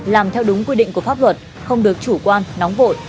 làm theo đúng quy định của pháp luật không được chủ quan nóng vội